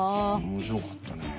面白かったね。